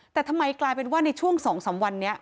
แต่ทำไมกลายเป็นว่าในช่วง๒๓วันนี้